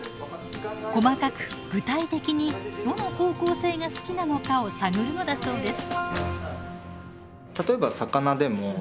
細かく具体的にどの方向性が好きなのかを探るのだそうです。